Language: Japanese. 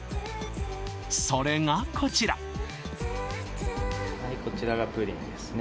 それがこちらはいこちらがプリンですね